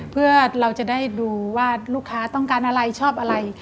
เพื่อเราจะได้ดูว่าลูกค้าต้องการอะไรชอบอะไร